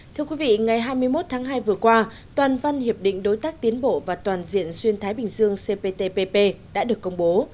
thưa quý vị ngày hai mươi một tháng hai vừa qua toàn văn hiệp định đối tác tiến bộ và toàn diện xuyên thái bình dương cptpp đã được công bố